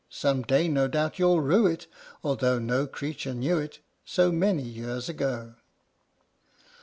Some day no doubt you'll rue it, Although no creature knew it So many years ago!